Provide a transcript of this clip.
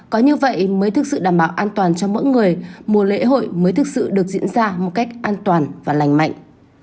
có như vậy mới thực sự đảm bảo an toàn cho mỗi người mùa lễ hội mới thực sự được diễn ra một cách an toàn và lành mạnh